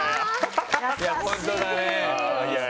本当だね。